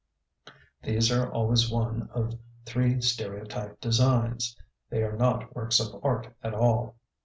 These are always one of three stereotyped designs; they are not works of art at all.